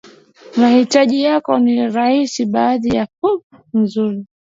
mahitaji yako ni rahisi baadhi ya pub nzuri